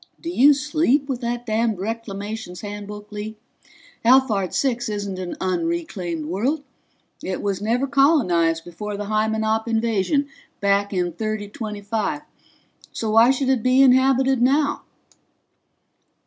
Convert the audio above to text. "Do you sleep with that damned Reclamations Handbook, Lee? Alphard Six isn't an unreclaimed world it was never colonized before the Hymenop invasion back in 3025, so why should it be inhabited now?"